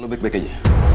lo back back aja